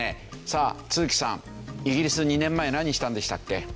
さあ都築さんイギリス２年前何したんでしたっけ？